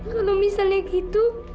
kalau misalnya gitu